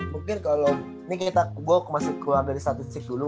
mungkin kalau ini kita golk masih keluar dari statistik dulu